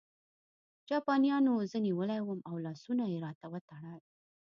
جاپانیانو زه نیولی وم او لاسونه یې راته وتړل